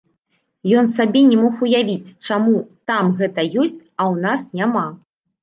Ён сабе не мог уявіць, чаму там гэта ёсць, а ў нас няма.